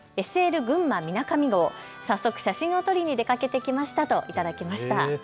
ぐんまみなかみ号で早速、写真を撮りに出かけてきましたと頂きました。